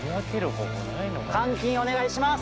換金お願いします！